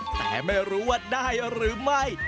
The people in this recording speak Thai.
แต่ไม่รู้ว่าได้หรือไม่